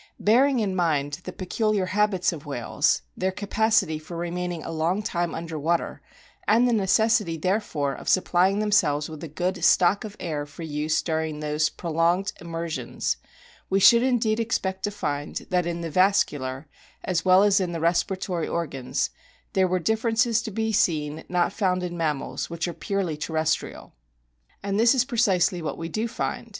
Bearing in mind the peculiar habits of whales, their capacity for remaining a long time under water, and the necessity therefore of supplying themselves with a good stock of air for use during these prolonged immersions, we should indeed expect to find that in the vascular, as well as in the respiratory organs, there were differences to be seen not found in mammals, which are purely terrestrial. And this is precisely what we do find.